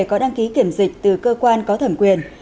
có đăng ký kiểm dịch từ cơ quan có thẩm quyền